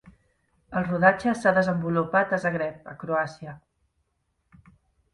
El rodatge s'ha desenvolupat a Zagreb a Croàcia.